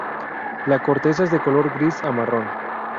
La corteza es de color gris a marrón.